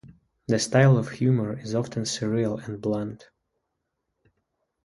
The style of humour is often surreal and blunt.